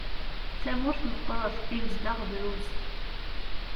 Tamurt meqqert, imezdaɣ drus.